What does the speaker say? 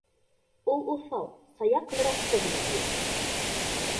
Ул уҫал, сая Ҡыҙырасты ғына белә.